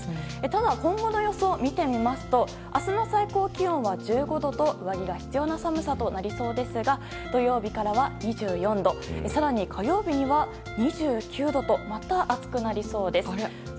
ただ、今後の予想を見てみますと明日の最高気温は１５度と上着が必要な寒さとなりそうですが土曜日からは２４度更に火曜日には２９度とまた暑くなりそうです。